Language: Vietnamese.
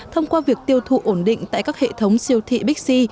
thông qua việc tiêu thụ ổn định tại các hệ thống siêu thị bixi